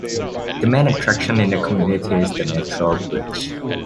The main attraction in the community is the Natural Bridge.